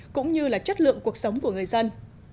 cũng như là chất lượng cuộc sống của người dân